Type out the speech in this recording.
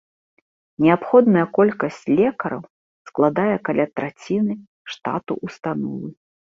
Неабходная колькасць лекараў складае каля траціны штату ўстановы.